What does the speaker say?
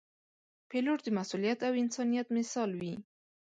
پیلوټ د مسؤلیت او انسانیت مثال وي.